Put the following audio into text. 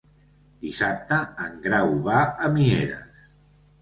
Dissabte en Grau va a Mieres.